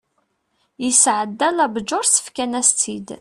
yesɛedda la bǧurse fkan-as-tt-id